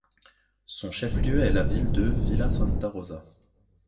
Son chef-lieu est la ville de Villa Santa Rosa.